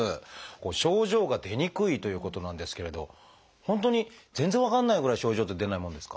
症状が出にくいということなんですけれど本当に全然分かんないぐらい症状って出ないもんですか？